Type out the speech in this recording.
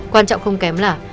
quan trọng không kém là